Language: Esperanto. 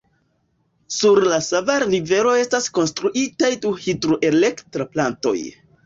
Sur la Sava Rivero estas konstruitaj du hidroelektra plantoj.